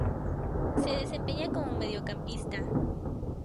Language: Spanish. Se desempeña como mediocampista.